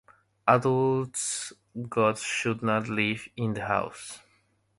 Adult goats should not live in the house.